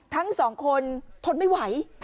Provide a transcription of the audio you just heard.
ทั้ง๒คนทดไม่ไหว